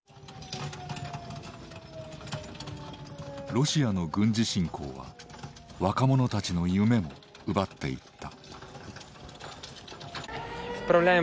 ロシアの軍事侵攻は若者たちの夢も奪っていった。